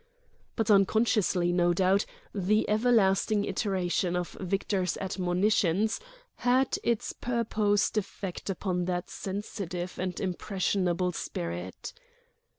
But unconsciously, no doubt, the everlasting iteration of Victor's admonitions had its purposed effect upon that sensitive and impressionable spirit.